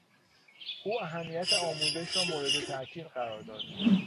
او اهمیت آموزش را مورد تاءکید قرار داد.